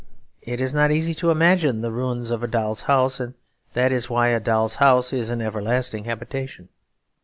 It is not easy to imagine the ruins of a doll's house; and that is why a doll's house is an everlasting habitation.